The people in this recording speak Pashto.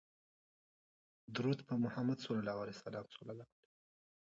درود په محمدﷺ